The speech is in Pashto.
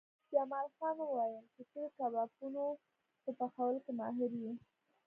جمال خان وویل چې ته د کبابونو په پخولو کې ماهر یې